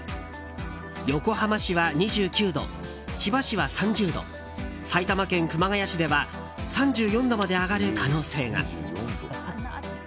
横浜市は２９度、千葉市は３０度埼玉県熊谷市では３４度まで上がる可能性が。